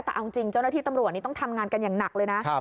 แต่เอาจริงเจ้าหน้าที่ตำรวจนี่ต้องทำงานกันอย่างหนักเลยนะ